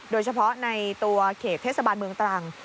โดยเฉพาะในตัวเขตเทศบาลเมืองตรัง